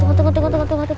tunggu tunggu tunggu